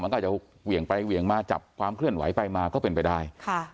มันก็อาจจะเหวี่ยงไปเหวี่ยงมาจับความเคลื่อนไหวไปมาก็เป็นไปได้